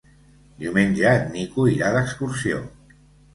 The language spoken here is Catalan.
Diumenge en Nico irà d'excursió.